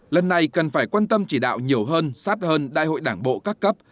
lần này cần phải quan tâm chỉ đạo nhiều hơn sát hơn đại hội đảng bộ các cấp